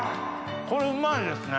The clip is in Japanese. これうまいですね。